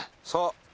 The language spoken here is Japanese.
そう。